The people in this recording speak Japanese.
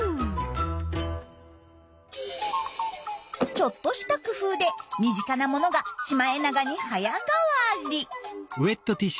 ちょっとした工夫で身近なものがシマエナガに早変わり！